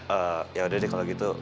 eh yaudah deh kalo gitu